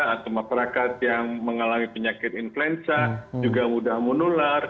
atau masyarakat yang mengalami penyakit influenza juga mudah menular